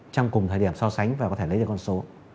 trong cùng thời điểm so sánh và có thể lấy được con số